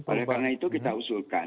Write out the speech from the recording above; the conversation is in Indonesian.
oleh karena itu kita usulkan